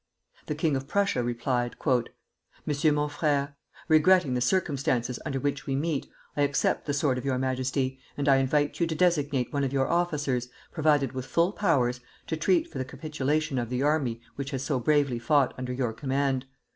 The king of Prussia replied, MONSIEUR MON FRÈRE, Regretting the circumstances under which we meet, I accept the sword of your Majesty, and I invite you to designate one of your officers, provided with full powers, to treat for the capitulation of the army which has so bravely fought under your command.